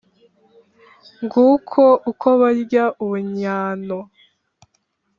Nguko uko barya ubunnyano.